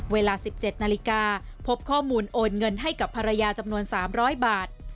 เวลา๑๗นาฬิกาพบข้อมูลโอนเงินให้กับภรรยาจำนวน๓๐๐บาท